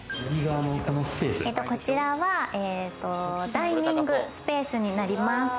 こちらはダイニングスペースになります。